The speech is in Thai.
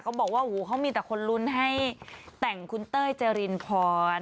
เขาบอกว่าโอ้โหเค้ามีแต่คนรุนให้แต่งคุณเต้ยเจรินพร